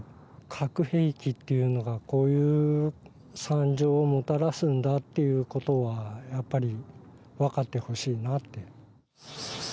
核兵器っていうのが、こういう惨状をもたらすんだっていうことは、やっぱり分かってほしいなって。